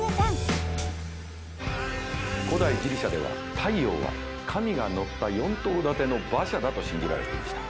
古代ギリシャでは太陽は神が乗った４頭立ての馬車だと信じられていました。